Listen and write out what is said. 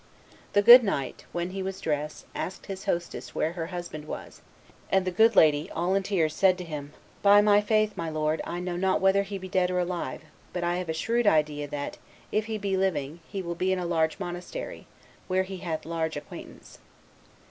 The good knight, when he was dressed, asked his hostess where her husband was; and the good lady, all in tears, said to him, 'By my faith, my lord, I know not whether he be dead or alive; but I have a shrewd idea that, if he be living, he will be in a large monastery, where be hath large acquaintance.